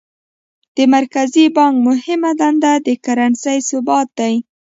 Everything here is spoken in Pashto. د مرکزي بانک مهمه دنده د کرنسۍ ثبات دی.